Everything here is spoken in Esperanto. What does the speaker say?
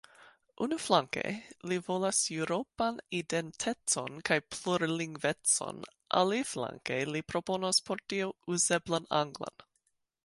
Unuflanke, li volas eŭropan identecon kaj plurlingvecon, aliflanke li proponas por tio "uzeblan anglan".